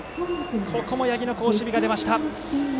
ここも八木の好守備が出ました。